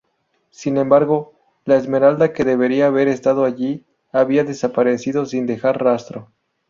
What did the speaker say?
Sin embargo, la esmeralda que debería haber estado allí había desparecido sin dejar rastro.